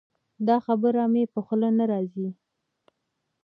دا خبره مې په خوله نه راځي.